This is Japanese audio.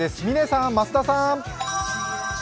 嶺さん、増田さん。